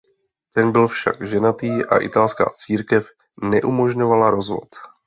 Ten byl však ženatý a italská církev neumožňovala rozvod.